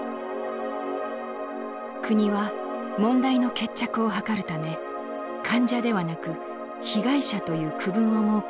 国は問題の決着を図るため患者ではなく「被害者」という区分を設け